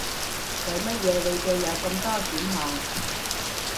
為乜嘢你嘅有咁多選項